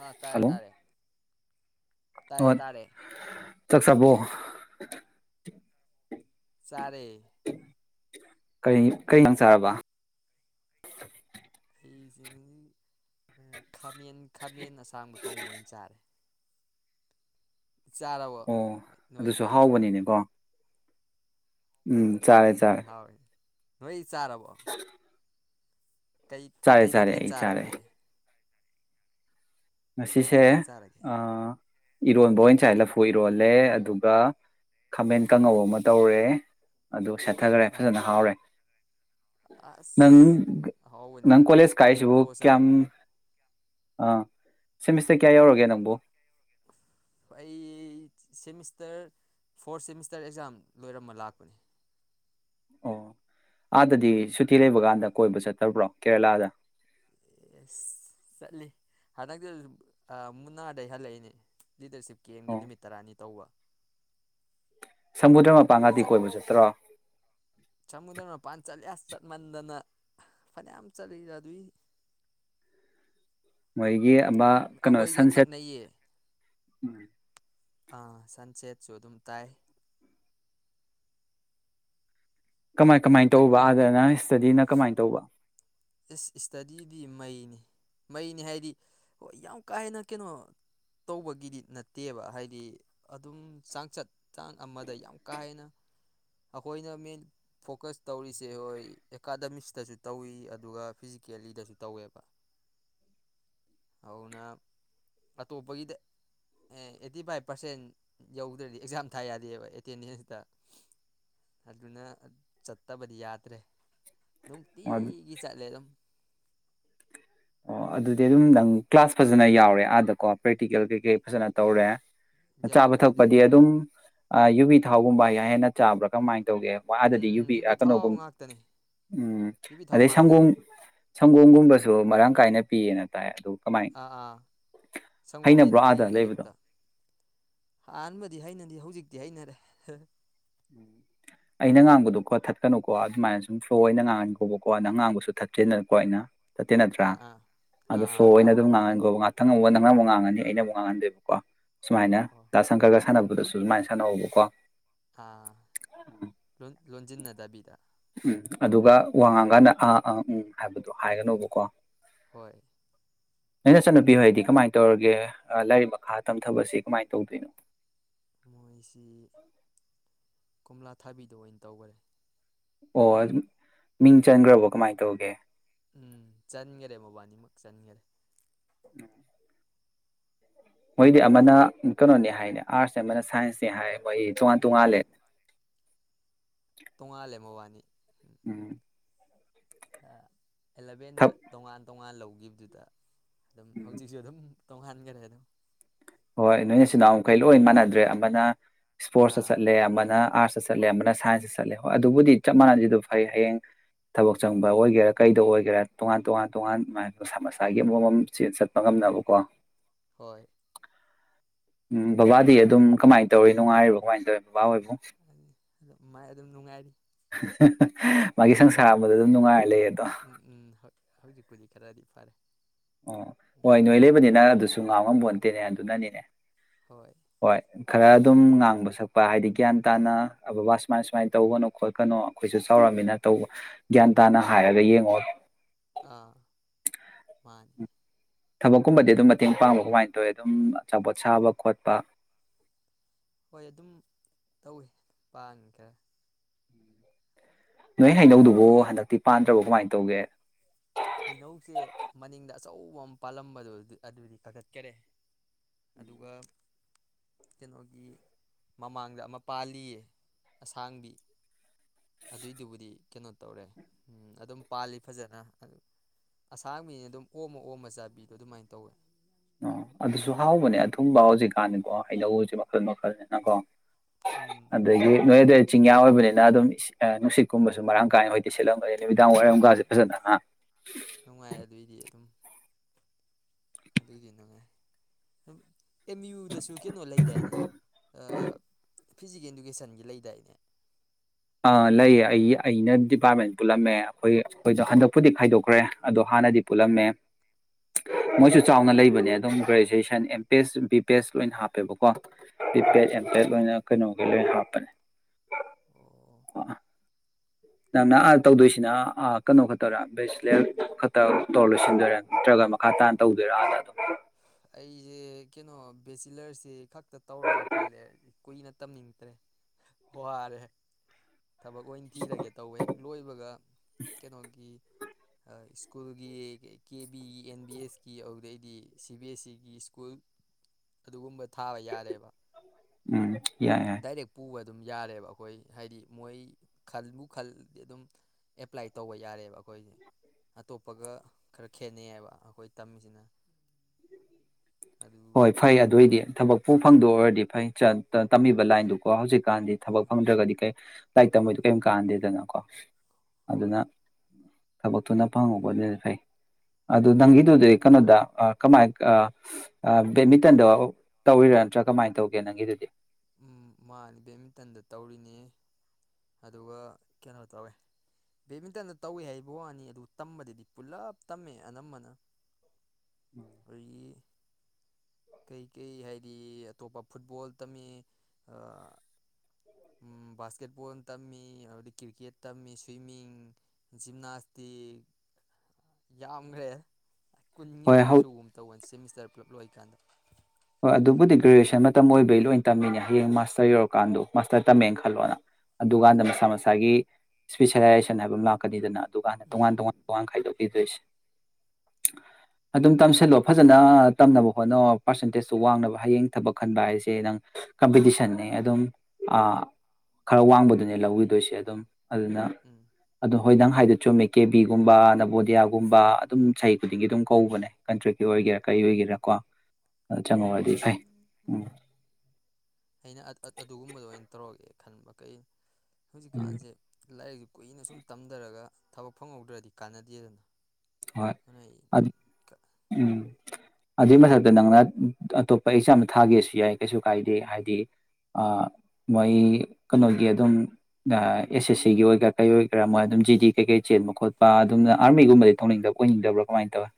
ꯑꯥ ꯇꯥꯔꯦ ꯍꯜꯂꯣ ꯇꯥꯔꯦ ꯇꯥꯏꯌꯦ ꯑꯣ ꯇꯥꯔꯦ ꯆꯥꯛ ꯆꯥꯕꯣ ꯆꯔꯦ ꯀꯔꯤꯏ ꯀꯩ ꯏꯟꯖꯥꯡ ꯆꯥꯔꯕ [unintelligible] ꯈꯥꯃꯦꯟ ꯈꯥꯃꯦꯟ ꯃꯦꯟ ꯑꯁꯥꯡꯕ ꯊꯣꯡꯕ ꯑꯣꯏꯅ ꯆꯥꯔꯦ ꯆꯥꯔꯕꯣ ꯑꯣ ꯑꯗꯨꯁꯨ ꯅꯣꯏꯗꯤ ꯍꯥꯎꯕꯅꯤꯅꯦꯀꯣ ꯎꯝ ꯆꯥꯔꯦ ꯆꯥꯔꯦ ꯅꫭꯏ ꯆꯥꯔꯕꯣ ꯀꯩ ꯆꯥꯔꯦ ꯀꯩ ꯆꯥꯔꯦ ꯃꯊꯦꯜ ꯑꯩ ꯆꯥꯔꯦ ꯆꯥꯔꯒꯦ ꯀꯩ ꯉꯁꯤꯁꯦ ꯃꯊꯦꯜ ꯆꯥꯔꯒꯦ ꯑ ꯏꯔꯣꯟꯕ ꯑꯣꯏꯅꯁꯥꯏ ꯂꯐꯨ ꯏꯔꯣꯜꯂꯦ ꯑꯗꯨꯒ ꯈꯥꯃꯦꯟ ꯀꯥꯡꯉꯧ ꯑꯃ ꯇꯧꯔꯦ ꯑꯗꯨ ꯆꯠꯊꯈꯔꯦ ꯑꯥ ꯐꯖꯅ ꯍꯥꯎꯔꯦ ꯑꯁ ꯅꯪ ꯑꯍꯥꯎꯕꯅꯤ ꯅꯪ ꯀꯣꯂꯦꯁ ꯀꯥꯏꯁꯤꯕꯨ ꯀꯝꯕꯣ ꯀꯌꯥꯝ ꯆꯥꯔꯦ ꯑꯥ ꯁꯤꯃꯤꯁꯇꯔ ꯀꯌꯥ ꯌꯧꯔꯒꯦ ꯅꯪꯕꯨ ꯑꯩ ꯁꯦꯃꯤꯁꯇꯔ ꯐꯣꯔ ꯁꯦꯃꯤꯁꯇꯔ ꯑꯦꯛꯖꯥꯝ ꯂꯣꯏꯔꯃ ꯂꯥꯛꯄꯅꯤ ꯑꯣ ꯑꯥꯗꯗꯤ ꯁꯨꯇꯤ ꯂꯩꯕ ꯀꯥꯟꯗ ꯀꯣꯏꯕ ꯆꯠꯇꯕ꯭ꯔꯣ ꯀꯦꯔꯂꯥꯗ ꯑꯦꯁ ꯆꯠꯂꯤ ꯍꯟꯗꯛꯇꯤ ꯑ ꯃꯨꯅꯥꯗꯩ ꯍꯜꯂꯛꯏꯅꯦ ꯂꯤꯗꯔꯁꯤꯞ ꯀꯦꯝꯒꯤ ꯑꯣ ꯅꯨꯃꯤꯠ ꯇꯔꯥꯅꯤ ꯇꯧꯕ ꯁꯃꯨꯗ꯭ꯔ ꯆꯠ ꯃꯄꯥꯟꯒꯗꯤ ꯀꯣꯏꯕ ꯆꯠꯇ꯭ꯔꯣ ꯁꯃꯨꯗ꯭ꯔ ꯃꯥꯃꯟ ꯆꯠꯂꯤ ꯑꯁ ꯆꯠꯃꯟꯗꯅ ꯐꯅꯌꯥꯝ ꯆꯠꯂꯤꯗ ꯑꯗꯨꯏ ꯃꯩ ꯒꯤ ꯑꯃ ꯀꯩꯅꯣ ꯑꯩꯈꯣꯏꯒ ꯁꯟꯁꯦꯠ ꯅꯛꯅꯩꯌꯦ ꯎꯝ ꯑꯥ ꯁꯟꯆꯦꯠꯁꯨ ꯑꯗꯨꯝ ꯇꯥꯏ ꯀꯃꯥꯏ ꯀꯃꯥꯏ ꯇꯧꯕ ꯅꯛꯅ ꯑꯥꯗꯅ ꯏꯁꯇꯗꯤꯅ ꯀꯃꯥꯏꯅ ꯇꯧꯕ ꯏꯁꯁ ꯏꯁꯇꯗꯤꯗꯤ ꯃꯩꯅꯤ ꯃꯩꯅꯤ ꯍꯥꯏꯗꯤ ꯍꯣꯏ ꯌꯥꯝ ꯀꯥ ꯍꯦꯟꯅ ꯀꯩꯅꯣ ꯇꯧꯕꯒꯤꯗꯤ ꯅꯠꯇꯦꯕ ꯍꯥꯏꯗꯤ ꯑꯗꯨꯝ ꯆꯥꯡꯆꯠ ꯆꯥꯡ ꯑꯃꯗ ꯌꯥꯝ ꯀꯥ ꯍꯦꯟꯅ ꯑꯩꯈꯣꯏꯅ ꯃꯦꯟ ꯐꯣꯀꯁ ꯇꯧꯔꯤꯁꯦ ꯍꯣꯏ ꯑꯦꯀꯥꯗꯃꯤꯛꯁꯇꯁꯨ ꯇꯧꯋꯤ ꯑꯗꯨꯒ ꯐꯤꯖꯤꯀꯦꯜꯂꯤꯗꯁꯨ ꯇꯧꯋꯦꯕ ꯑꯗꯨꯅ ꯑꯇꯣꯞꯄꯒꯤꯗ ꯑꯦ ꯑꯩꯠꯇꯤ ꯐꯥꯏꯚ ꯄꯥꯔꯁꯦꯟ ꯌꯧꯗ꯭ꯔꯗꯤ ꯑꯦꯛꯖꯥꯝ ꯊꯥ ꯌꯥꯗꯦꯕ ꯑꯦꯇꯦꯟꯗꯦꯟꯁꯇ ꯑꯗꯨꯅ ꯆꯠꯇꯕꯗꯤ ꯌꯥꯗ꯭ꯔꯦ ꯅꯨꯡꯇꯤꯒꯤ ꯆꯠꯂꯦ [inaudible] ꯑꯗꯨꯝ ꯑꯣ ꯑꯗꯨꯗꯤ ꯑꯗꯨꯝ ꯅꯪ ꯀ꯭ꯂꯥꯁ ꯐꯖꯅ ꯌꯥꯎꯔꯦ ꯑꯥꯗꯀꯣ ꯄ꯭ꯔꯦꯛꯇꯤꯀꯦꯜ ꯀꯩꯀꯩ ꯐꯖꯅ ꯇꯧꯔꯦ ꯆꯥꯕ ꯌꯥꯎꯔꯦ ꯑꯗꯨꯏ ꯊꯛꯄꯗꯤ ꯑꯗꯨꯝ ꯌꯨꯕꯤ ꯊꯥꯎꯒꯨꯝꯕ ꯀꯌꯥ ꯍꯦꯟꯅ ꯆꯥꯕ꯭ꯔꯥ ꯀꯃꯥꯏꯅ ꯇꯧꯒꯦ ꯎꯝ ꯋꯥꯥꯗꯗꯤ ꯎꯝ ꯌꯨꯕꯤ ꯊꯥꯎ ꯀꯩꯅꯣꯒꯨꯝ ꯉꯥꯛꯇꯅꯤ ꯎꯝ ꯌꯨꯕꯤ ꯊꯥꯎ ꯑꯗꯩ ꯉꯥꯛꯇ ꯁꯪꯒꯣꯝ ꯁꯪꯒꯣꯝꯒꯨꯝꯕꯁꯨ ꯃꯔꯥꯡ ꯀꯥꯏꯅ ꯄꯤꯌꯦꯅ ꯇꯥꯏ ꯑꯗꯨ ꯀꯃꯥꯏ ꯑꯥ ꯑꯥ ꯁꯪꯒꯣꯝꯗꯤ ꯍꯩꯅꯕ꯭ꯔꯣ ꯑꯥꯗ ꯅꯨꯡꯇꯤꯒꯤ ꯂꯩꯕꯗꯣ ꯑꯌꯨꯛꯇ ꯑꯍꯥꯟꯕꯗꯤ ꯍꯩꯅꯗꯤ ꯍꯧꯖꯤꯛ ꯌꯥꯏꯅꯦꯔꯦ ꯎꯝ ꯑꯩꯅ ꯉꯥꯡꯕꯗꯣꯀꯣ ꯊꯠꯀꯅꯨꯀꯣ ꯑꯗꯨꯃꯥꯏꯅ ꯁꯨꯝ ꯐ꯭ꯂꯣꯅ ꯉꯥꯡꯉꯅꯤꯀꯀꯣ ꯅꯪ ꯉꯥꯡꯕꯁꯨ ꯊꯠꯇꯁꯦꯗꯅꯀꯣ ꯑꯩꯅ ꯆꯠꯇꯦ ꯅꯠꯇ꯭ꯔꯥ ꯑꯥ ꯑꯥ ꯑꯥ ꯑꯗ ꯁꯣ ꯑꯥ ꯍꯣꯏ ꯑꯣꯏꯅ ꯑꯗꯨꯝ ꯍꯣꯏ ꯉꯥꯡꯍꯟꯈ ꯉꯥꯛꯇ ꯊꯪꯉꯨ ꯅꯪꯅꯕ ꯉꯥꯡꯉꯅꯤ ꯑꯩꯅꯕꯨ ꯉꯥꯡꯍꯟꯗꯣꯏꯕꯀꯣ ꯁꯨꯃꯥꯏꯅ ꯑꯣ ꯑꯣ ꯇ ꯁꯪꯀꯔꯒ ꯁꯅ ꯑꯗꯨꯗꯁꯨ ꯁꯨꯃꯥꯏꯅ ꯁꯥꯟꯅꯕꯀꯣ ꯑꯥ ꯂ ꯂꯣꯟꯁꯤ ꯅ ꯗꯗꯥꯕꯤꯗ ꯎꯝ ꯑꯗꯨꯒ ꯋꯥ ꯉꯥꯡꯀꯥꯟꯗ ꯑꯥ ꯑꯥ ꯎꯪ ꯍꯥꯏꯕꯗꯨꯣ ꯍꯥꯏꯒꯅꯣꯕꯀꯣ ꯍꯣꯏ ꯅꯪ ꯅꯆꯠꯟꯅꯨꯄꯤ ꯍꯣꯏꯗꯤ ꯀꯃꯥꯏꯅ ꯇꯧꯔꯒꯦ ꯂꯥꯏꯔꯤꯛ ꯃꯈꯥ ꯇꯝꯊꯕꯁꯤ ꯀꯃꯥꯏꯅ ꯇꯧꯗꯣꯏꯅꯣ ꯃꯣꯏꯁꯤ ꯀꯣꯝꯂꯥ ꯊꯥꯕꯤꯗ ꯑꯣꯏꯅ ꯇꯧꯈꯔꯦ ꯑꯣ ꯑꯗꯨ ꯃꯤꯡ ꯆꯟꯈ꯭ꯔꯕꯣ ꯀꯃꯥꯏꯅ ꯇꯧꯒꯦ ꯎꯝ ꯆꯥꯅꯤꯡꯒꯦꯔꯦꯃꯣ ꯕ ꯆꯅꯤꯔꯦ ꯎꯝ ꯃꯣꯏꯗꯤ ꯑꯃꯅ ꯀꯩꯅꯣꯅꯦ ꯍꯥꯏꯅꯦ ꯑꯥꯔꯠꯁꯅꯦ ꯑꯃꯅ ꯁꯥꯏꯟꯁꯅꯦ ꯍꯥꯏ ꯅꯣꯏꯗ ꯇꯣꯉꯜ ꯎꯝ ꯇꯣꯉꯜꯂꯦ ꯇꯣꯡꯉꯥꯜꯂꯦ ꯃꯕꯥꯅꯤ ꯎꯝ ꯑꯦꯂꯚꯦꯟꯗ ꯊꯞ ꯇꯣꯉꯥꯟ ꯇꯣꯉꯥꯟ ꯂꯧ ꯒꯤ ꯄꯤ ꯗꯥ ꯑꯗꯨꯝ ꯎꯝ ꯍꯧꯖꯤꯛꯁꯨ ꯑꯗꯨꯝ ꯇ ꯈꯥꯟꯒꯦ ꯔꯗꯣ ꯍꯣꯏ ꯅꯣꯏꯅꯆꯤꯜꯅꯥꯎꯈꯩ ꯂꯣꯏ ꯃꯥꯟꯅꯗ꯭ꯔꯦ ꯑꯃꯅ ꯏꯁꯄꯣꯔꯠꯁꯇ ꯑꯥ ꯆꯠꯂꯦ ꯑꯃꯅ ꯑꯥꯔꯠꯁꯇ ꯆꯠꯂꯦ ꯑꯃꯅ ꯁꯥꯏꯟꯁꯇ ꯆꯠꯂꯦ ꯍꯣꯏ ꯑꯗꯨꯕꯨꯗꯤ ꯆꯞ ꯃꯥꯟꯅꯁꯤ ꯑꯗꯨ ꯐꯩ ꯍꯌꯦꯡ ꯊꯕꯛ ꯆꯪꯕ ꯑꯣꯏꯒꯦꯔꯥ ꯀꯩꯗ ꯑꯣꯏꯒꯦꯔꯥ ꯇꯣꯉꯥꯟ ꯇꯣꯉꯥꯟ ꯇꯣꯉꯥꯟ ꯃꯁꯥ ꯃꯁꯥꯒꯤ ꯑꯃꯃꯝ ꯆꯠꯄ ꯉꯝꯅꯕꯀꯣ ꯍꯣꯏ ꯎꯝ ꯕꯕꯥꯗꯤ ꯑꯗꯨꯕꯨꯗꯤ ꯑꯗꯨꯝ ꯀꯃꯥꯏꯅ ꯇꯧꯋ ꯉꯥꯏꯔꯤꯕ ꯀꯃꯥꯏꯅ ꯇꯧꯔꯤꯕꯅ ꯑꯗꯨ ꯃꯥꯏ ꯑꯗꯨꯝ ꯅꯨꯡꯉꯥꯏꯔꯤ ꯃꯥꯒꯤ ꯁꯪꯁꯔ ꯑꯗꯨ ꯅꯨꯡꯉꯥꯏꯔ ꯂꯩꯦ ꯎꯝ ꯎꯝ ꯍ ꯍꯧꯖꯤꯛꯄꯨꯗꯤ ꯈꯔꯗꯤ ꯐꯥꯔꯦ ꯑꯣ ꯍꯣꯏ ꯅꯣꯏ ꯂꯩꯕꯅꯤꯅ ꯑꯗꯨꯁꯨ ꯉꯥꯡ ꯉꯝꯕ ꯎꯝ ꯅꯠꯇꯦꯅꯦ ꯑꯗꯨꯅꯅꯤꯅꯦ ꯍꯣꯏ ꯈꯔ ꯑꯗꯨꯝ ꯉꯥꯡꯕ ꯁꯛꯄ ꯍꯥꯏꯗꯤ ꯒ꯭ꯌꯥꯟ ꯇꯥꯅ ꯕꯕꯥ ꯁꯨꯃꯥꯏ ꯁꯨꯃꯥꯏꯅ ꯇꯧꯒꯅꯨ ꯈꯣꯠꯀꯅꯨ ꯑꯩꯈꯣꯏꯁꯨ ꯆꯥꯎꯔꯝꯃꯤꯅ ꯇꯧꯕ ꯒ꯭ꯌꯥꯟ ꯇꯥꯅ ꯍꯥꯏꯔꯒ ꯌꯦꯡꯉꯣ ꯑꯥ ꯃꯥꯅꯤ ꯊꯕꯛꯀꯨꯝꯕꯗꯤ ꯑꯗꯨꯝ ꯃꯇꯦꯡ ꯄꯥꯡꯕ ꯀꯃꯥꯏꯅ ꯇꯧꯋꯤ ꯑꯗꯨꯝ ꯑꯆꯥꯄꯣꯠ ꯁꯥꯕ ꯈꯣꯠꯄ ꯍꯣꯏ ꯑꯗꯨꯝ ꯇꯧꯏꯤ ꯄꯥꯡ ꯈꯔ ꯅꯣꯏ ꯍꯩꯅꯧꯗꯨꯕꯨ ꯍꯟꯗꯛꯇꯤ ꯄꯥꯟꯗ꯭ꯔꯕꯣ ꯀꯃꯥꯏꯅ ꯇꯧꯒꯦ ꯍꯩꯅꯧꯁꯦ ꯃꯅꯤꯡꯗ ꯑꯆꯧꯕ ꯑꯃ ꯄꯥꯜꯂꯝꯕꯗꯣ ꯑꯗꯨꯗꯤ ꯀꯥꯈꯠꯈꯔꯦ ꯑꯗꯨꯒ ꯀꯩꯅꯣꯒꯤ ꯃꯃꯥꯡꯗ ꯑꯃ ꯄꯥꯜꯂꯤꯌꯦ ꯑꯁꯥꯡꯕꯤ ꯑꯗꯨꯏꯗꯨꯕꯨꯗꯤ ꯀꯩꯅꯣ ꯇꯧꯔꯦ ꯎꯝ ꯑꯗꯨꯝ ꯄꯥꯜꯂꯤ ꯐꯖꯅ ꯑꯁꯥꯡꯕꯤꯅꯦ ꯑꯗꯨꯝ ꯑꯣꯝꯃ ꯑꯣꯝꯃ ꯆꯥꯕꯤꯗꯣ ꯑꯗꯨꯃꯥꯏꯅ ꯇꯧꯋꯦ ꯑꯣ ꯑꯗꯨꯁꯨ ꯍꯥꯎꯕꯅꯦ ꯑꯊꯨꯝꯕ ꯍꯧꯖꯤꯛꯀꯥꯟꯗꯤꯀꯣ ꯍꯩꯅꯧꯁꯦ ꯃꯈꯜ ꯃꯈꯜꯅꯤꯅꯀꯣ ꯎꯝ ꯑꯗꯨꯗꯒꯤ ꯅꯣꯏꯗ ꯆꯤꯡꯌꯥ ꯑꯣꯏꯕꯅꯤꯅ ꯑꯗꯨꯝ ꯅꯨꯡꯁꯤꯠꯀꯨꯝꯕꯁꯨ ꯃꯔꯥꯡ ꯀꯥꯏꯅ ꯍꯖꯤꯗꯤ ꯁꯦꯠꯂꯝꯒꯅꯤ ꯅꯨꯃꯤꯗꯥꯡ ꯋꯥꯏꯔꯝꯀꯥꯁꯦ ꯐꯖꯅ ꯉꯍ ꯅꯨꯡꯉꯥꯏ ꯑꯗꯨꯑꯣꯏꯗꯤ ꯑꯗꯨꯝ ꯑꯗꯨꯏꯒꯤ ꯅꯨꯡꯉꯥꯏ ꯑꯦꯝ ꯌꯨꯗꯁꯨ ꯀꯩꯅꯣ ꯂꯩꯗꯥꯏꯅꯦ ꯐꯤꯖꯤꯀꯦꯜ ꯏꯗꯨꯀꯦꯁꯟꯒꯤ ꯂꯩꯗꯥꯏꯅꯦ ꯂꯩꯌꯦ ꯑꯩ ꯑꯩꯅ ꯗꯤꯄꯥꯔꯠꯃꯦꯟ ꯄꯨꯜꯂꯝꯃꯦ ꯑꯩꯈꯣꯏ ꯑꯩꯈꯣꯏꯗꯣ ꯍꯟꯗꯛꯄꯨꯗꯤ ꯈꯥꯏꯗꯣꯛꯈ꯭ꯔꯦ ꯑꯗꯣ ꯍꯥꯟꯅꯗꯤ ꯄꯨꯜꯂꯝꯃꯦ ꯃꯣꯏꯁꯨ ꯆꯥꯎꯅ ꯂꯩꯕꯅꯦ ꯑꯗꯨꯝ graduation M P S B P S ꯂꯣꯏꯅ ꯍꯥꯞꯄꯦꯕꯀꯣ ꯦ ꯎꯝ ꯑꯣꯏꯅ ꯀꯩꯅꯣ ꯂ ꯍꯥ ꯐꯔꯦ ꯑꯣ ꯀ ꯅꯪꯅ ꯑꯥ ꯇꯧꯗꯣꯏꯁꯤꯅ ꯀꯩꯅꯣ ꯈꯛꯇꯧꯔꯥ ꯕꯦꯁꯤꯂꯔ ꯈꯛꯇ ꯇꯧꯔ ꯂꯣꯏꯁꯤꯟꯗꯣꯏꯔꯥ ꯅꯠꯇ꯭ꯔꯒ ꯃꯈꯥ ꯇꯥꯅ ꯇꯧꯗꯣꯏꯔꯥ ꯑꯥꯗ ꯑꯗꯨꯝ ꯑꯩꯁꯦ ꯀꯩꯅꯣ ꯕꯦꯆꯤꯂꯔꯁꯤ ꯈꯛꯇ ꯇꯧꯔꯒꯦ ꯈꯜꯂꯦ ꯀꯨꯏꯅ ꯇꯝꯅꯤꯡꯗ꯭ꯔꯦ ꯋꯥꯔꯦ ꯊꯕꯛ ꯂꯣꯏ ꯊꯤꯔꯒꯦ ꯇꯧꯋ ꯍꯦꯛ ꯂꯣꯏꯕꯒ ꯀꯩꯅꯣꯒꯤ ꯀꯒꯤ ꯕꯤ ꯑꯦꯟ ꯕꯤ ꯑꯦꯁ ꯀꯤ ꯍꯧꯧꯗ꯭ꯔꯦ ꯑꯩ ꯒꯤ ꯁꯤ ꯕꯤ ꯑꯦꯁ ꯏꯒꯤ ꯁ꯭ꯀꯨꯜ ꯑꯗꯨꯒꯨꯝꯕ ꯊꯥꯕ ꯌꯥꯔꯦꯕ ꯎꯝ ꯌꯥꯏ ꯌꯥꯏ ꯗꯥꯏꯔꯦꯛ ꯄꯨꯕꯗ ꯑꯗꯨꯝ ꯌꯥꯔꯦꯕ ꯑꯩꯈꯣꯏ ꯍꯥꯏꯗꯤ ꯃꯣꯏ ꯈꯟꯕꯨ ꯈꯜꯗꯤ ꯑꯗꯨꯝ ꯑꯦꯄ꯭ꯂꯥꯏ ꯇꯧꯕ ꯌꯥꯔꯦꯕ ꯑꯩꯈꯣꯏꯁꯦ ꯑꯇꯣꯞꯄꯒ ꯈꯔ ꯈꯦꯠꯅꯩꯌꯦꯕ ꯑꯩꯈꯣꯏ ꯇꯝꯃꯤꯁꯤꯅ ꯑꯗꯨ ꯍꯣꯏ ꯐꯩ ꯑꯗꯨꯏꯗꯤ ꯊꯕꯛ ꯎ ꯐꯪꯗꯣꯛ ꯑꯣꯏꯔꯗꯤ ꯐꯩ ꯇꯝꯃꯤꯕ ꯂꯥꯏꯟꯗꯨꯀꯣ ꯍꯧꯖꯤꯛꯀꯥꯟꯗꯤ ꯊꯕꯛ ꯑꯥ ꯐꯪꯗ꯭ꯔꯒꯗꯤ ꯀꯩ ꯂꯥꯏꯔꯤꯛ ꯇꯝꯃꯣꯏꯗꯣ ꯀꯩꯝ ꯀꯥꯟꯗꯦꯗꯅꯀꯣ ꯑꯗꯨꯗꯅ ꯍꯣꯏ ꯊꯕꯛꯇꯨꯅ ꯐꯪꯉꯨꯕꯅꯤꯅ ꯐꯩ ꯑꯗꯨ ꯅꯪꯒꯤꯗꯨꯗꯤ ꯀꯩꯅꯣꯗ ꯀꯃꯥꯏ ꯕꯦꯗꯃꯤꯟꯇꯟꯗꯣ ꯇꯧꯕꯤꯔꯥ ꯅꯠꯇ꯭ꯔꯥ ꯀꯃꯥꯏꯅ ꯇꯧꯒꯦ ꯅꯪꯒꯤꯗꯨꯗꯤ ꯎꯝ ꯃꯥꯅꯤ ꯕꯦꯠꯃꯤꯟꯇꯟꯗ ꯇꯧꯔꯤꯅꯤ ꯑꯗꯨꯒ ꯀꯩꯅꯣ ꯇꯧꯋꯦ ꯕꯦꯠꯃꯤꯟꯇꯟꯗ ꯇꯧꯏꯤ ꯍꯥꯏꯕ ꯋꯥꯅꯤ ꯑꯗꯨ ꯇꯝꯕꯗꯗꯤ ꯄꯨꯂꯞ ꯇꯝꯃꯦ ꯑꯅꯝꯕꯅ ꯑꯩꯒꯤ ꯀꯩꯀꯩ ꯍꯥꯏꯗꯤ ꯑꯇꯣꯞꯄ ꯐꯨꯠꯕꯣꯜ ꯇꯝꯃꯤ ꯑ ꯕꯥꯁꯀꯦꯠꯕꯣꯜ ꯇꯝꯃꯤ ꯑꯗꯨꯗꯤ ꯀ꯭ꯔꯤꯀꯦꯠ ꯇꯝꯃꯤ ꯁ꯭ꯋꯤꯃꯤꯡ ꯖꯤꯝꯅꯥꯁꯇꯤꯛ ꯌꯥꯝꯈ꯭ꯔꯦ ꯀꯨꯟꯒꯤ ꯍꯣꯏ ꯍꯧ ꯃꯌꯥꯁꯨꯒꯨꯝ ꯇꯧꯒꯅꯤ ꯁꯤꯃꯤꯁꯇꯔ ꯄꯨꯜꯂꯞ ꯂꯣꯏꯀꯥꯟꯗ ꯍꯣꯏ ꯑꯗꯨꯕꯨꯗꯤ ꯒ꯭ꯔꯦꯖꯨꯋꯦꯁꯟ ꯃꯇꯝ ꯑꯣꯏꯕꯩ ꯂꯣꯏ ꯇꯝꯃꯤꯅꯦ ꯍꯌꯦꯡ ꯃꯥꯁꯇꯔ ꯌꯧꯔꯀꯥꯟꯗꯣ ꯃꯥꯁꯇꯔ ꯇꯝꯃꯦꯅ ꯈꯜꯂꯣꯅ ꯑꯥ ꯑꯗꯨꯀꯥꯟꯗ ꯃꯁꯥ ꯃꯁꯥꯒꯤ ꯏꯁꯄꯤꯁꯦꯂꯥꯏꯖꯦꯁꯟ ꯍꯥꯏꯕ ꯑꯃ ꯂꯥꯛꯀꯅꯤꯗꯅ ꯑꯗꯨꯒ ꯍꯥꯟꯅ ꯇꯣꯉꯥꯟ ꯎꯝ ꯇꯉꯥꯟ ꯇꯉ ꯈꯥꯏꯗꯣꯛ ꯗꯣꯏꯁꯦ ꯑꯗꯨꯝ ꯇꯝꯁꯤꯜꯂꯣ ꯐꯖꯅ ꯇꯝꯅꯕ ꯍꯣꯠꯅ ꯄꯥꯔꯁꯦꯟꯇꯦꯖ ꯁꯨ ꯋꯥꯡꯅꯕ ꯍꯌꯦꯡ ꯊꯕꯛ ꯈꯟꯕ ꯍꯥꯏꯁꯦ ꯅꯪ ꯀꯝꯄꯤꯇꯤꯁꯟꯅꯦ ꯑꯗꯨꯝ ꯈꯔ ꯋꯥꯡꯕꯗꯨꯅꯦ ꯂꯧꯧꯕꯈꯤꯗꯣꯏꯁꯦ ꯑꯗꯨꯝ ꯑꯗꯨꯅ ꯎꯝ ꯑꯗꯣ ꯍꯣꯏ ꯅꯪ ꯍꯥꯏꯗꯣ ꯆꯨꯝꯃꯦ ꯀꯦꯕꯤꯒꯨꯝꯕ ꯅꯕꯣꯗꯤꯌꯥꯒꯨꯝꯕ ꯑꯗꯨꯝ ꯆꯍꯤ ꯈꯨꯗꯤꯡꯒꯤ ꯑꯗꯨꯝ ꯀꯧꯕꯅꯦ ꯀꯟꯇ꯭ꯔꯤꯛꯀꯤ ꯑꯣꯏꯒꯦꯔꯥ ꯀꯔꯤ ꯑꯣꯏꯒꯦꯔꯥ ꯀꯣ ꯑꯗꯨ ꯆꯪꯍꯧꯔꯗꯤ ꯍꯣꯏ ꯐꯩ ꯎꯝ ꯑꯩꯅ ꯑꯗꯨꯒꯨꯝꯕꯗꯣ ꯑꯩꯅ ꯇꯧꯔꯒꯦꯕ ꯈꯟꯕ ꯀꯩꯏ ꯍꯧꯖꯤ ꯎꯝ ꯀꯥꯟꯁꯦ ꯂꯥꯏ ꯀꯨꯏꯅ ꯁꯨꯝ ꯇꯝꯗꯔꯒ ꯊꯕꯛ ꯐꯪꯍꯧꯗ꯭ꯔꯗꯤ ꯀꯥꯟꯅꯗꯦꯗꯅ ꯍꯣꯏ ꯑꯗꯨꯅ ꯑꯩ ꯑ ꯎꯝ ꯑꯗꯨꯏ ꯃꯊꯛꯇ ꯅꯪꯅ ꯑꯇꯣꯞꯄ ꯑꯦꯛꯖꯥꯝꯗ ꯊꯥꯒꯦꯁꯨ ꯌꯥꯏ ꯀꯩꯁꯨ ꯀꯥꯏꯗꯦ ꯍꯥꯏꯗꯤ ꯑ ꯃꯣꯏ ꯀꯩꯅꯣꯒꯤ ꯑꯗꯨꯝ ꯑ ꯑꯦꯁ ꯑꯦꯁ ꯁꯤꯒꯤ ꯑꯣꯏꯒꯦꯔꯥ ꯀꯩ ꯑꯣꯏꯒꯦꯔꯥ ꯃꯣꯏ ꯑꯗꯨꯝ ꯖꯤꯗꯤ ꯀꯩꯀꯩ ꯆꯦꯟꯕ ꯈꯣꯠꯄ ꯑꯗꯨꯝꯅ ꯎꯝ ꯑꯥꯔꯃꯤꯒꯨꯝꯕꯗꯤ ꯄꯥꯝꯗꯕ꯭ꯔ ꯀꯃꯥꯏ ꯇꯧꯢ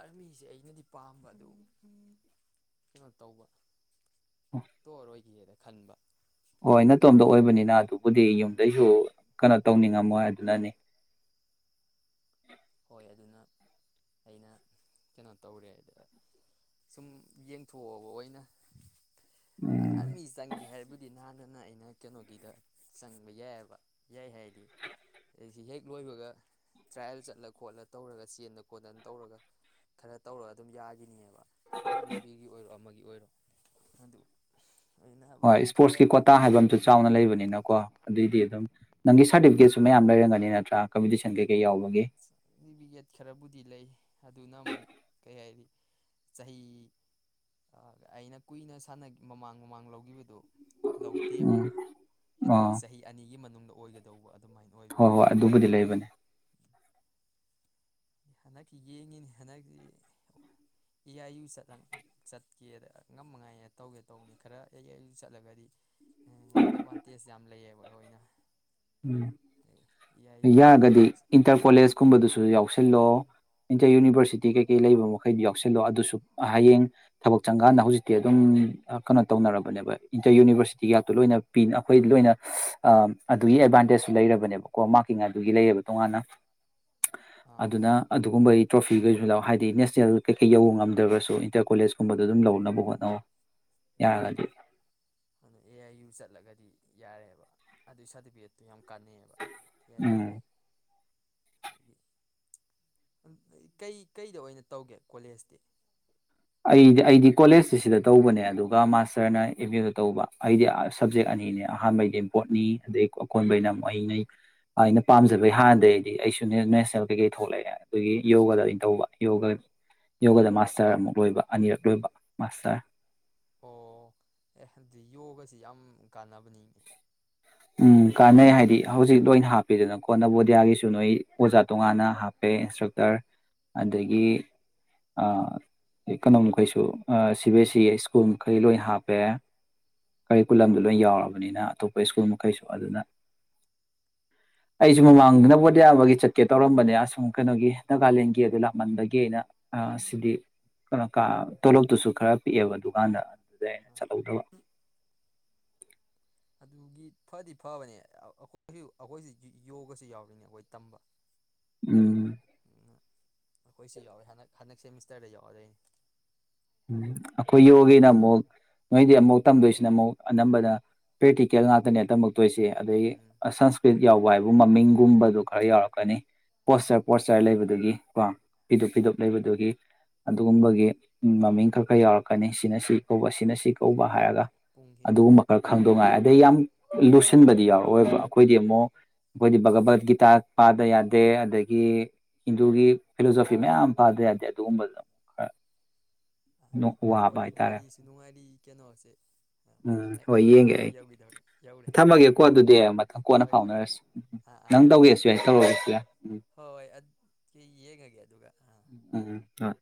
ꯑꯥꯔꯃꯤꯁꯦ ꯑꯩꯅꯗꯤ ꯄꯥꯝꯕ ꯑꯗꯨꯝ ꯀꯩꯅꯣ ꯇꯧꯕ ꯇꯧꯑꯣꯔꯣꯏꯒꯦꯗ ꯈꯟꯕ ꯍꯣꯏ ꯅꯇꯣꯝꯗ ꯑꯣꯏꯕꯅꯤꯅ ꯑꯗꯨꯕꯨꯗꯤ ꯎꯝ ꯌꯨꯝꯗꯩꯁꯨ ꯀꯩꯅꯣ ꯇꯧꯅꯤꯡꯉꯝꯃꯣꯏ ꯑꯗꯨꯅꯅꯤ ꯍꯣꯏ ꯑꯗꯨꯅ ꯑꯩꯅ ꯀꯩꯅꯣ ꯇꯧꯔꯦ ꯑ ꯁꯨꯝ ꯌꯦꯡꯊꯣꯛꯑꯕ ꯑꯣꯏꯅ ꯥ ꯎꯝ ꯑꯥꯔꯃꯤ ꯆꯪꯒꯦ ꯍꯥꯏꯔꯕꯨꯗꯤ ꯅꯍꯥꯟꯅꯅ ꯑꯩꯅ ꯀꯩꯅꯣꯒꯤꯗ ꯆꯪꯕ ꯌꯥꯏꯑꯕ ꯌꯥꯏ ꯍꯥꯏꯗꯤ ꯑꯩꯁꯤ ꯍꯦꯛ ꯂꯣꯏꯕꯒ ꯇ꯭ꯔꯥꯏꯌꯦꯜ ꯆꯠꯂ ꯈꯣꯠꯂ ꯇꯧꯔꯒ ꯆꯦꯟꯗ ꯈꯣꯠꯇꯅ ꯇꯧꯔꯒ ꯈꯔ ꯇꯧꯔꯒ ꯑꯗꯨꯝ ꯌꯥꯒꯤꯕꯅꯦꯕ ꯑꯥꯛꯅꯤꯕꯤꯔꯒꯤ ꯑꯣꯏꯔꯣ ꯑꯃꯒꯤ ꯑꯣꯏꯔꯣ ꯑꯗꯨ ꯍꯣꯏ ꯑꯣꯏꯅꯕ ꯈꯔ ꯏꯁꯄꯣꯔꯠꯁꯀꯤ ꯀꯣꯇꯥ ꯍꯥꯏꯕ ꯑꯝꯁꯨ ꯆꯥꯎꯅ ꯂꯩꯕꯅꯤꯅꯀꯣ ꯑꯗꯨꯏꯗꯤ ꯑꯗꯨꯝ ꯅꯪꯒꯤ ꯁꯥꯔꯇꯤꯐꯤꯀꯦꯠꯁꯨ ꯃꯌꯥꯝ ꯂꯩꯔꯝꯒꯅꯤ ꯅꯠꯇ꯭ꯔꯣ ꯑ ꯀꯝꯄꯤꯇꯤꯁꯟ ꯀꯩ ꯀꯩ ꯌꯥꯎꯕꯒꯤ ꯁꯥꯔꯇꯤꯐꯤꯀꯦꯠ ꯈꯔꯕꯨꯗꯤ ꯂꯩ ꯑꯗꯨꯅ ꯑꯃꯨꯛ ꯀꯩ ꯍꯥꯏꯅꯤ ꯆꯍꯤ ꯑ ꯑꯩꯅ ꯀꯨꯏꯅ ꯁꯥꯅ ꯃꯃꯥꯡ ꯃꯃꯥꯡ ꯂꯧꯈꯤꯕꯗꯨ ꯂꯧꯗꯦꯕ ꯎꯝ ꯃꯣꯏ ꯀꯩꯅꯣꯒꯤ ꯑꯣ ꯆꯍꯤ ꯑꯅꯤꯒꯤ ꯃꯅꯨꯡꯗ ꯑꯣꯏꯒꯗꯧꯕ ꯑꯗꯨꯃꯥꯏꯅ ꯍꯣꯏ ꯑꯣꯏꯕꯒꯤ ꯍꯣꯏ ꯑꯗꯨꯕꯨꯗꯤ ꯂꯩꯕꯅꯦ ꯍꯟꯗꯛꯀꯤ ꯌꯦꯡꯉꯤꯅꯤ ꯍꯟꯗꯛꯀꯤ ꯑꯦ ꯑꯥꯏ ꯌꯨ ꯆꯠꯂ ꯆꯠꯀꯦꯗ ꯉꯝꯃꯉꯥꯏ ꯇꯧꯒꯦ ꯇꯧꯕꯅꯤ ꯈꯔ ꯑꯦ ꯑꯥꯏ ꯌꯨ ꯆꯠꯂꯒꯗꯤ ꯑꯦꯗꯚꯥꯟꯇꯦꯖ ꯌꯥꯝ ꯂꯩꯌꯦꯕ ꯑꯩꯈꯣꯏꯅ ꯎꯝ ꯑꯗꯩ ꯏ ꯑꯥꯏ ꯌꯨꯒꯤ ꯌꯥꯔꯒꯗꯤ ꯏꯟꯇꯔ ꯀꯣꯂꯦꯖꯀꯨꯝꯕꯗꯨꯁꯨ [unintelligible] ꯨ ꯌꯥꯁꯦ ꯎꯝ [unintelligible] ꯏꯟꯇꯔ ꯌꯨꯅꯤꯚꯔꯁ ꯁꯤ ꯇꯤ ꯀꯩ ꯀꯩ ꯂꯩꯕ ꯃꯈꯩꯗꯨ ꯌꯥꯎꯁꯜꯂꯣ ꯑꯗꯨꯁꯨ ꯍꯌꯦꯡ ꯊꯕꯛ ꯆꯪꯀꯥꯟꯗ ꯍꯧꯖꯤꯛꯇꯤ ꯑꯗꯨꯝ ꯀꯩꯅꯣ ꯇꯧꯅꯔꯕꯅꯦꯕ ꯏꯟꯇꯔ ꯌꯨꯅꯤꯚꯔꯁꯤꯇꯤ ꯒꯥꯛꯇꯣ ꯂꯣꯏꯅ ꯄꯤꯅ ꯑꯩꯈꯣꯏ ꯂꯣꯏꯅ ꯑ ꯑꯗꯨꯒꯤ ꯑꯦꯗꯚꯥꯟꯇꯦꯖꯁꯨ ꯂꯩꯔꯕꯅꯦꯕꯀꯣ ꯃꯥꯔꯀꯤꯡ ꯑꯗꯨꯒꯤ ꯂꯩꯌꯦꯕ ꯇꯣꯉꯥꯟꯅ ꯑꯥ ꯑꯗꯨꯅ ꯑꯗꯨꯒꯨꯝꯕꯩ ꯇ꯭ꯔꯣꯐꯤꯈꯩꯁꯨ ꯂꯧ ꯍꯥꯏꯗꯤ ꯅꯦꯁꯅꯦꯜ ꯀꯩꯀꯩ ꯌꯧꯕ ꯉꯝꯗ꯭ꯔꯒꯁꯨ ꯏꯟꯇꯔ ꯀꯣꯂꯦꯖꯀꯨꯝꯕꯗꯣ ꯑꯗꯨꯝ ꯂꯧꯅꯕ ꯍꯣꯠꯅꯧ ꯎꯝ ꯌꯥꯔꯒꯗꯤ ꯑꯗꯨꯗꯣ ꯑꯦ ꯑꯥꯏ ꯌꯨ ꯆꯠꯂꯒꯗꯤ ꯌꯥꯔꯦꯕ ꯑꯗꯨꯏ ꯁꯥꯔꯇꯤꯐꯤꯀꯦꯠꯇꯣ ꯌꯥꯝ ꯀꯥꯟꯅꯩꯑꯕ ꯑꯦ ꯑꯥꯏ ꯎꯝ ꯌꯨꯒꯤ ꯀꯩ ꯀꯩꯗ ꯑꯣꯏꯅ ꯇꯧꯒꯦ ꯀꯣꯂꯦꯖꯇꯤ ꯑꯩꯗꯤ ꯑꯩꯗꯤ ꯀꯣꯂꯦꯖꯇ ꯁꯤꯗ ꯇꯧꯕꯅꯦ ꯑꯗꯨꯒ ꯃꯥꯁꯇꯔꯅ ꯑꯦꯝ ꯌꯨ ꯗ ꯇꯧꯕ ꯑꯩꯗꯤ ꯑ ꯁꯞꯖꯦꯛ ꯑꯅꯤꯅꯦ ꯑꯍꯥꯟꯕꯩꯗꯤ ꯕꯣꯠꯅꯤ ꯑꯗꯩ ꯑꯀꯣꯟꯕꯩꯅ ꯑꯃꯨꯛ ꯑꯩꯅ ꯑꯩꯅ ꯄꯥꯝꯖꯕꯩ ꯍꯥꯟꯅꯗꯒꯤ ꯑꯩꯁꯨ ꯅꯦꯁꯅꯦꯜ ꯀꯩꯀꯩ ꯊꯣꯛꯂꯛꯑꯦ ꯑꯗꯨꯒꯤ ꯌꯣꯒꯥꯗ ꯑꯣꯏꯅ ꯇꯧꯕ ꯌꯣꯒ ꯌꯣꯒꯗ ꯃꯥꯁꯇꯔ ꯑꯃꯨꯛ ꯂꯣꯏꯕ ꯑꯅꯤꯔꯛ ꯂꯣꯏꯕ ꯃꯥꯁꯇꯔ ꯑꯣ ꯑꯦ ꯑꯗꯨꯗꯤ ꯌꯣꯒꯁꯤ ꯌꯥꯝ ꯀꯥꯟꯅꯕꯅꯤ ꯎꯝ ꯀꯥꯟꯅꯩ ꯍꯥꯏꯗꯤ ꯍꯧꯖꯤꯛ ꯂꯣꯏꯅ ꯍꯥꯞꯄꯦꯗꯅ ꯀꯣ ꯅꯕꯣꯗꯤꯌꯥꯒꯤꯁꯨ ꯅꯣꯏ ꯑꯣꯖꯥ ꯇꯣꯉꯥꯟꯅ ꯍꯥꯞꯄꯦ ꯏꯟꯁꯇ꯭ꯔꯛꯇꯔ ꯑꯗꯒꯤ ꯎꯝ ꯀꯩꯅꯣꯝꯃꯈꯩꯁꯨ C B S C school ꯃꯈꯩ ꯂꯣꯏꯅ ꯍꯥꯞꯄꯦ ꯀꯔꯤꯀꯨꯂꯝꯗ ꯂꯣꯏ ꯌꯥꯎꯔꯃꯤ [unintelligible] ꯅꯤꯅ ꯑꯇꯣꯞꯄ ꯁ꯭ꯀꯨꯜ ꯃꯈꯩꯁꯨ ꯑꯗꯨꯅ ꯑꯩꯁꯨ ꯃꯃꯥꯡꯗꯅ ꯅꯕꯣꯗꯤꯌꯥꯃꯒꯤ ꯆꯠꯀꯦ ꯇꯧꯔꯝꯕꯅꯦ ꯑꯁꯣꯝ ꯀꯩꯅꯣꯒꯤ ꯅꯥꯒꯥꯂꯦꯟꯒꯤ ꯑꯗꯨ ꯂꯥꯞꯃꯟꯕꯒꯤ ꯑꯩꯅ ꯁꯤꯗꯤ [unintelligible] ꯇꯣꯂꯣꯞꯇꯨꯁꯨ ꯈꯔ ꯄꯤꯛꯑꯦꯕ ꯑꯗꯨꯝꯀꯥꯟꯗ ꯑꯗꯨꯗ ꯑꯥ ꯆꯠꯍꯧꯗꯕ ꯑꯗꯨꯒꯤ ꯐꯗꯤ ꯐꯕꯅꯦ ꯑꯈꯣꯏꯁꯨ ꯑꯈꯣꯏꯁꯨ ꯌꯣꯒꯁꯨ ꯌꯥꯎꯔꯤꯅꯦ ꯑꯩꯈꯣꯏ ꯇꯝꯕ ꯎꯝ ꯑꯩꯈꯣꯏꯁꯨ ꯌꯥꯎꯔꯦ ꯍꯟꯗꯛ ꯍꯟꯗꯛ ꯁꯦꯃꯤꯁꯇꯔꯗ ꯌꯥꯎꯔꯗꯣꯏꯅꯤ ꯎꯝ ꯑꯩꯈꯣꯏ ꯌꯣꯒꯒꯤꯅ ꯑꯃꯨꯛ ꯅꯣꯏꯗꯤ ꯑꯃꯨꯛ ꯇꯝꯗꯣꯏꯁꯤꯅ ꯑꯃꯨꯛ ꯑꯅꯝꯕꯅ ꯄ꯭ꯔꯦꯛꯇꯤꯀꯦꯜ ꯉꯥꯛꯇꯅꯦ [unintelligible] [unintelligible] ꯑꯗꯒꯤ ꯎꯝ ꯁꯟꯁꯀ꯭ꯔꯤꯟ ꯌꯥꯎꯕ ꯍꯥꯏꯕꯨ ꯃꯃꯤꯡꯒꯨꯝꯕꯗꯨ ꯈꯔ ꯌꯥꯎꯔꯛꯀꯅꯤ ꯄꯣꯁꯆꯔ ꯄꯣꯠꯆꯔ ꯂꯩꯕꯗꯨꯒꯤ ꯀꯣ ꯐꯤꯗꯨꯞ ꯐꯤꯗꯨꯞ ꯂꯩꯕꯗꯨꯒꯤ ꯑꯗꯨꯒꯨꯝꯕꯒꯤ ꯎꯝ ꯃꯃꯤꯡ ꯈꯔ ꯈꯔ ꯌꯥꯎꯔꯛꯀꯅꯤ ꯁꯤꯅ ꯁꯤ ꯀꯧꯕ ꯁꯤꯅ ꯁꯤ ꯀꯧꯕ ꯍꯥꯏꯔꯒ ꯄꯨꯡ ꯍꯦꯜꯂꯦ ꯑꯗꯨꯒꯨꯝꯕ ꯈꯔ ꯈꯪꯗꯧ ꯉꯥꯏ ꯑꯗꯩ ꯌꯥꯝ ꯂꯨꯁꯤꯟꯕꯗꯤ ꯌꯥꯎꯔꯛꯑꯣꯏꯑꯕ ꯑꯩꯈꯣꯏꯗꯤ ꯑꯃꯨꯛ ꯑꯩꯈꯣꯏꯗꯤ ꯚꯒꯕꯠ ꯒꯤꯇꯥ ꯄꯥꯗ ꯌꯥꯗꯦ ꯑꯗꯒꯤ ꯍꯤꯟꯗꯨꯒꯤ ꯐꯤꯂꯣꯁꯣꯐꯤ ꯃꯌꯥꯝ ꯄꯥꯗ ꯌꯥꯗꯦ ꯑꯗꯨꯒꯨꯝꯕꯗ ꯑꯃꯨꯛ ꯈꯔ ꯋꯥꯕ ꯍꯥꯏꯇꯥꯔꯦ ꯋꯥꯔꯤꯁꯨ ꯅꯨꯡꯉꯥꯏꯔꯤ ꯀꯩꯅꯣꯁꯦ ꯄꯨꯡ ꯎꯝ ꯍꯣꯏ [unintelligible] ꯌꯦꯡꯒꯦ ꯇꯔꯥꯃꯥꯊꯣꯏ ꯑꯩ ꯌꯧꯈꯤꯗꯧꯔꯦ ꯌꯧꯔꯦ ꯊꯝꯃꯒꯦꯀꯣ ꯑꯗꯨꯗꯤ ꯃꯊꯪ ꯀꯣꯟꯅ ꯍꯣꯏ ꯍꯣꯏ ꯐꯥꯎꯅꯔꯁꯤ ꯑꯥ ꯅꯪ ꯑꯥꯥ ꯑꯗꯨ ꯇꯧꯒꯦꯁꯨ ꯌꯥꯏ ꯇꯧꯔꯒꯦꯁꯨ ꯌꯥꯏ ꯎꯝ ꯍꯣꯏ ꯍꯣꯏ ꯑꯗꯨ ꯌꯦꯡꯉꯒꯦ ꯑꯗꯨꯒ ꯑꯥ ꯎꯝ ꯎꯝ ꯍꯣꯏ